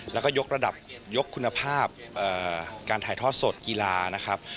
แล้วก็ยกระดับยกคุณภาพการถ่ายทอดสดกีฬานะครับ